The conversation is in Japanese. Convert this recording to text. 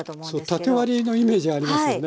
そう縦割りのイメージありますよね。